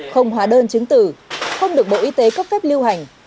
không hóa đơn chứng tử không được bộ y tế cấp phép lưu hành